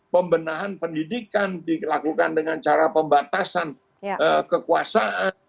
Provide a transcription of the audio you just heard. pembenahan pendidikan dilakukan dengan cara pembatasan kekuasaan